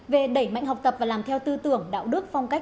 về đẩy mạnh học tập và làm theo tư tưởng đạo đức phong cách